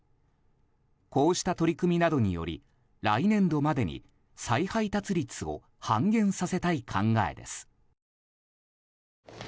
こうした取り組みなどにより来年度までに再配達率を半減させたい考えです。